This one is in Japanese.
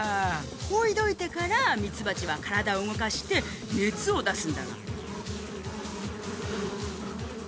ほいどいてからミツバチはからだをうごかしてねつをだすんだがん。